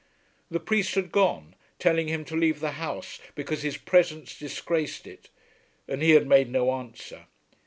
The priest had gone, telling him to leave the house because his presence disgraced it; and he had made no answer.